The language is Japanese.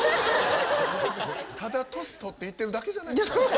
ただ年とっていってるだけじゃないですか。